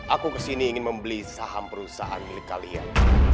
aku kesini ingin membeli saham perusahaan milik kalian